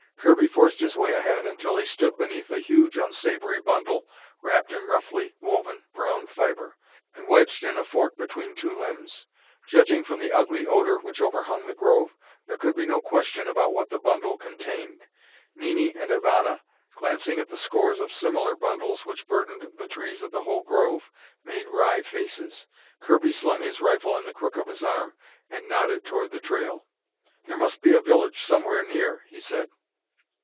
Kirby forced his way ahead until he stood beneath a huge, unsavory bundle wrapped in roughly woven brown fibre, and wedged in a fork between two limbs. Judging from the ugly odor which overhung the grove, there could be no question about what the bundle contained. Nini and Ivana, glancing at the scores of similar bundles which burdened the trees of the whole grove, made wry faces. Kirby slung his rifle in the crook of his arm, and nodded toward the trail. "There must be a village somewhere near," he said.